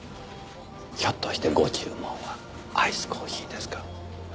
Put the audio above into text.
ひょっとしてご注文はアイスコーヒーですか？